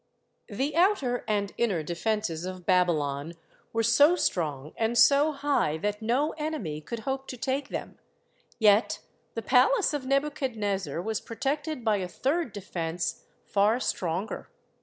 The outer and inner defences of Babylon were so strong and so high that no enemy could hope to take them, yet the palace of Nebuchadnezzar was protected by a third defence far stronger.